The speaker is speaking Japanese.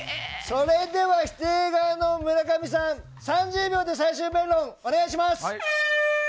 それでは、否定側の村上さん３０秒で最終弁論お願いします。